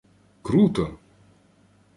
Круто!